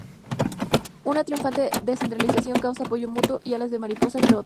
Una triunfante descentralización, caos, apoyo mutuo y alas de mariposas, entre otras cosas.